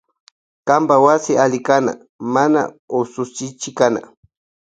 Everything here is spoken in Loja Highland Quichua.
Kanpa kawsay alli kana mana usuchikana.